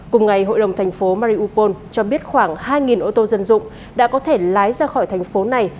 cùng ngày hội đồng thành phố mariupol cho biết khoảng hai ô tô dân dụng đã có thể lái ra khỏi thành phố này